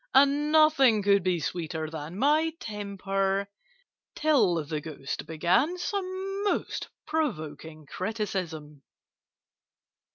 And nothing could be sweeter than My temper, till the Ghost began Some most provoking criticism.